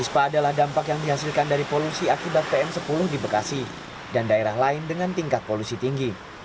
ispa adalah dampak yang dihasilkan dari polusi akibat pm sepuluh di bekasi dan daerah lain dengan tingkat polusi tinggi